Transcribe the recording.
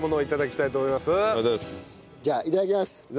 いただきます。